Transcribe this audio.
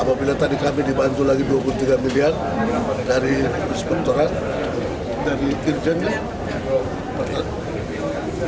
apabila tadi kami dibantu lagi dua puluh tiga miliar dari sementara dari kirjennya